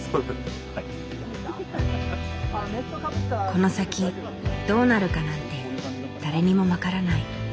この先どうなるかなんて誰にも分からない。